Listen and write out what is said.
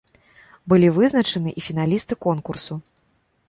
Былі вызначаны і фіналісты конкурсу.